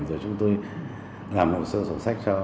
rồi chúng tôi làm một sơ sổ sách cho